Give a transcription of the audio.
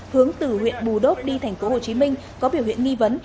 hướng từ huyện bù đốc đi thành phố hồ chí minh có biểu hiện nghi vấn